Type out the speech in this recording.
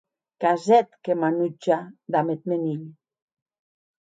Qu’as hèt que m’anutja damb eth mèn hilh.